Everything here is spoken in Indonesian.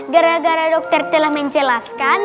gara gara dokter telah menjelaskan